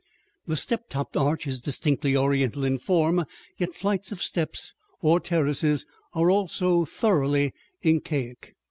The step topped arch is distinctly Oriental in form, yet flights of steps or terraces are also thoroughly Incaic.